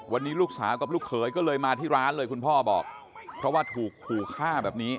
วันนี้ลูกสาวกับลูกเขยก็เลยมาที่ร้านเลยคุณพ่อบอกเพราะว่าถูกขู่ฆ่าแบบนี้